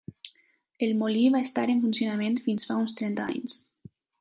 El molí va estar en funcionament fins fa uns trenta anys.